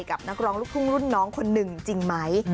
นักร้องลูกทุ่งรุ่นน้องคนหนึ่งจริงไหม